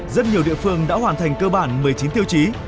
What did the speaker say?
rất nhiều địa phương đã hoàn thành cơ bản một mươi chín tiêu chí